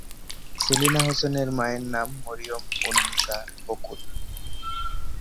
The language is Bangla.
সেলিনা হোসেনের মায়ের নাম মরিয়ম-উন-নিসা বকুল।